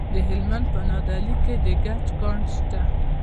د هلمند په نادعلي کې د ګچ کان شته.